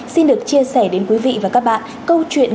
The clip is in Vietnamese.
xin được chia sẻ đến quý vị và các bạn câu chuyện